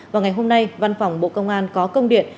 vào ngày hôm nay văn phòng bộ công an có công điện